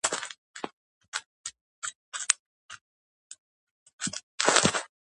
ჰაერის დაბინძურება მნიშვნელოვან კოგნიტურ ცვლილებებს იწვევს.